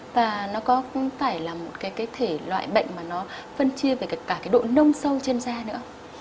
và nó có không phải là một cái thể loại bệnh mà nó phân chia về cả cái độ nông sâu trên da nữa